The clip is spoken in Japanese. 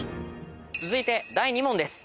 続いて第２問です。